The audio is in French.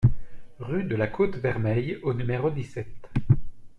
Rue de la Côte Vermeille au numéro dix-sept